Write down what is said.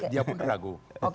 dia pun ragu